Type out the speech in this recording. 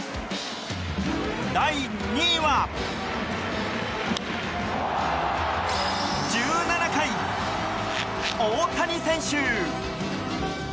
第２位は１７回、大谷選手！